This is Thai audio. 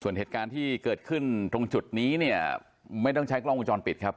ส่วนเหตุการณ์ที่เกิดขึ้นตรงจุดนี้เนี่ยไม่ต้องใช้กล้องวงจรปิดครับ